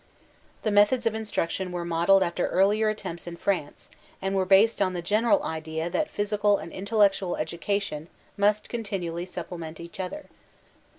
The methods of instruction were modeled after earlier attempts in France, and were based on the general idea that physical and intellectual education must continually supplement each other.